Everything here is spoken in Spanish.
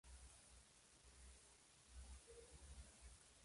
No se conoce en el mundo tanto como las de Tailandia y Vietnam.